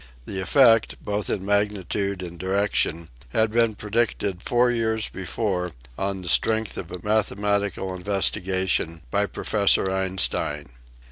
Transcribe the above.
The effect, both in magnitude and direction, had been pre dicted four years before, on the strength of a mathemati cal investigation, by Professor Einstein.